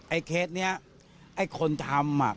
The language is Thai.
เคสนี้ไอ้คนทำอ่ะ